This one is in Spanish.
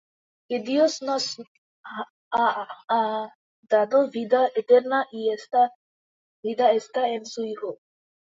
Que Dios nos ha dado vida eterna; y esta vida está en su Hijo.